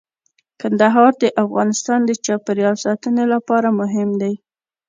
کندهار د افغانستان د چاپیریال ساتنې لپاره مهم دي.